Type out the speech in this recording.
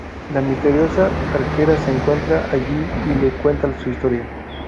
La misteriosa arquera se encuentra allí y le cuenta su historia.